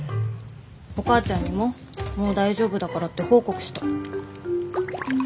お母ちゃんにももう大丈夫だからって報告した。